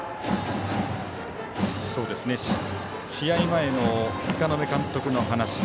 試合前の柄目監督の話。